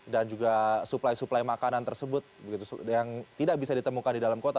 dan juga suplai suplai makanan tersebut yang tidak bisa ditemukan di dalam kota